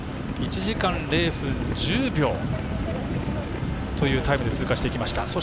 １時間０分１０秒というタイムで通過していきました。